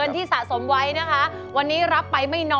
สุดท้ายยังมีกันและกันนะคะคุณแม่